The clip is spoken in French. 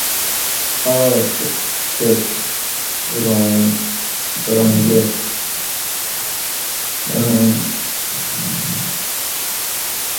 Ô sexe rongeur, tes jolies petites dents blanches adorent le sucre.